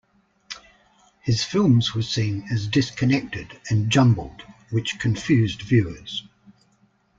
His films were seen as disconnected and jumbled which confused viewers.